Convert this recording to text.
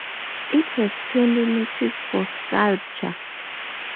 It has twenty niches for sculpture.